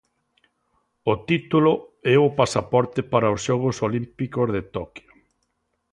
O título é o pasaporte para os Xogos Olímpicos de Toquio.